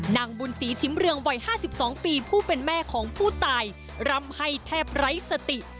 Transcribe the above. นางบุญศรีชิมเรืองวัย๕๒ปีผู้เป็นแม่ของผู้ตายรำให้แทบไร้สติ